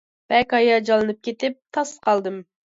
بەك ھاياجانلىنىپ كېتىپ، تاس قالدىم...